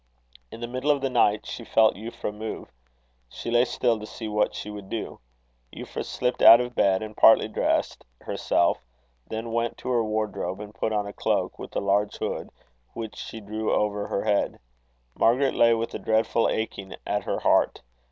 In the middle of the night she felt Euphra move. She lay still to see what she would do. Euphra slipped out of bed, and partly dressed herself; then went to her wardrobe, and put on a cloak with a large hood, which she drew over her head. Margaret lay with a dreadful aching at her heart.